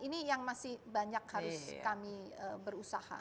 ini yang masih banyak harus kami berusaha